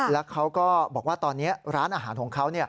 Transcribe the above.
แล้วเขาก็บอกว่าตอนนี้ร้านอาหารของเขา